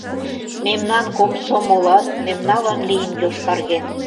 Мемнан комсомолат мемналан лийын йошкарген...